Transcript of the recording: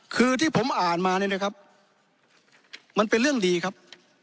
คือที่ผมอ่านมาเนี่ยนะครับมันเป็นเรื่องดีครับ